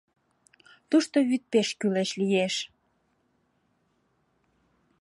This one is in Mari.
— Тушто вӱд пеш кӱлеш лиеш.